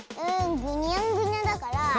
ぐにゃんぐにゃだからタコ？